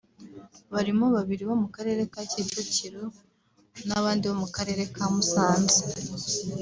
barimo babiri bo mu karere ka Kicukiro n’abandi bo mu karere ka Musanze